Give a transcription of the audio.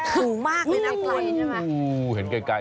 ถึงมากเนี่ยนักไข่ใช่ไหม